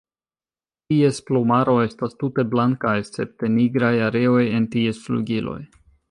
Ties plumaro estas tute blanka escepte nigraj areoj en ties flugiloj.